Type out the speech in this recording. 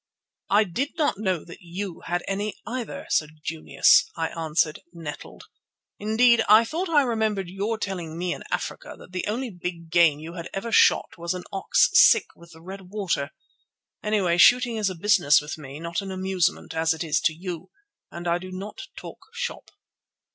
"I did not know that you had any, either, Sir Junius," I answered, nettled. "Indeed, I thought I remembered your telling me in Africa that the only big game you had ever shot was an ox sick with the red water. Anyway, shooting is a business with me, not an amusement, as it is to you, and I do not talk shop."